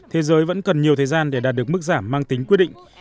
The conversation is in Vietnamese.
thế giới vẫn cần nhiều thời gian để đạt được mức giảm mang tính quyết định